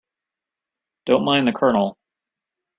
Don't mind the Colonel.